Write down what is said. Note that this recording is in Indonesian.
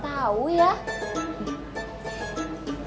tugas kamu teh disini bantuin bibi